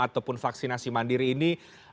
ataupun vaksinasi mandiri ini